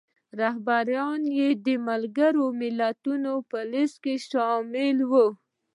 رهبران یې د ملګرو ملتونو په لیست کې شامل وو.